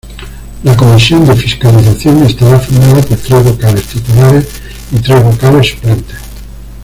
La Comisión de Fiscalización estará formada por tres vocales titulares y tres vocales suplentes.